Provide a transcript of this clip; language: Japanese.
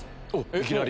いきなり？